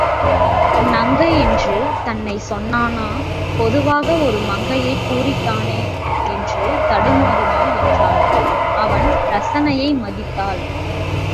நங்கை என்று தன்னைச் சொன்னானா பொதுவாக ஒரு மங்கையக் குறித்தானா என்று தடுமாறினாள் என்றாலும் அவன் ரசனையை மதித்தாள்.